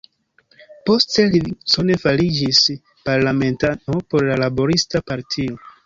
Poste Livingstone fariĝis parlamentano por la Laborista Partio.